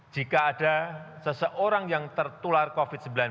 jika ada seseorang yang tertular covid sembilan belas